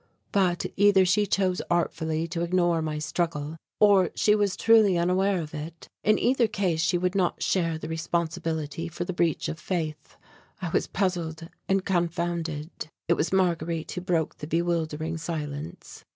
But either she chose artfully to ignore my struggle or she was truly unaware of it. In either case she would not share the responsibility for the breach of faith. I was puzzled and confounded. It was Marguerite who broke the bewildering silence.